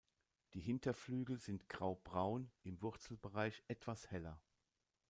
Die Hinterflügel sind graubraun, im Wurzelbereich etwas heller.